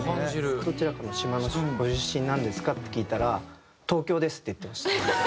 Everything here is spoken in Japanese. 「どちらかの島のご出身なんですか？」って聞いたら「東京です」って言ってました。